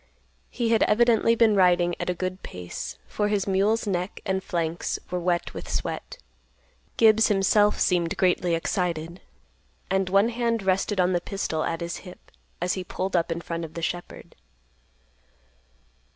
He had evidently been riding at a good pace, for his mule's neck and flanks were wet with sweat. Gibbs, himself, seemed greatly excited, and one hand rested on the pistol at his hip, as he pulled up in front of the shepherd.